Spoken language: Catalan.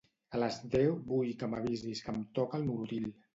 A les deu vull que m'avisis que em toca el Nolotil.